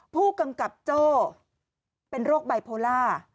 ผู้กำกับโจ้เป็นโรคไบโพล่า